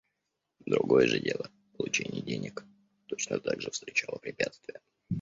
Другое же дело — получение денег — точно так же встречало препятствия.